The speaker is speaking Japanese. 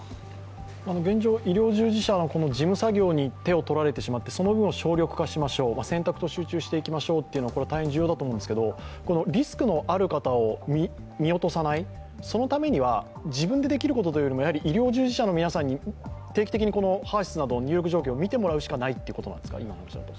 現状、医療従事者の事務作業に手を取られてしまって、その分を省略しましょう、選択と集中していきましょうというのは大変重要だと思うんですがリスクのある方を見落とさないためには、自分でできることというよりも、医療従事者の皆さんに定期的にＨＥＲ−ＳＹＳなどの入力情報を見てもらうしかないということですか？